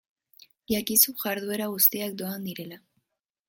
Jakizu jarduera guztiak doan direla.